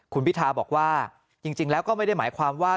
คุณพิทาบอกว่าจริงแล้วก็ไม่ได้หมายความว่า